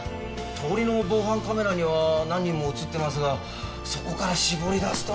通りの防犯カメラには何人も映ってますがそこから絞り出すとなると。